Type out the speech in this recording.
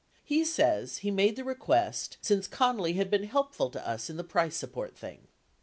70 He says he made the request "since [Con nally] had been helpful to us in the price support thing."